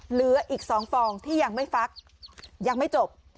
เหลืออีก๒ฟองที่ยังไม่ฟักยังไม่จบ